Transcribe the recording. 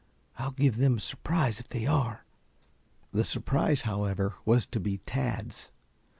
I'll give them a surprise if they are." The surprise, however, was to be Tad's.